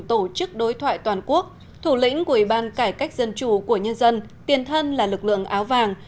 tổ chức đối thoại toàn quốc thủ lĩnh của ủy ban cải cách dân chủ của nhân dân tiền thân là lực lượng áo vàng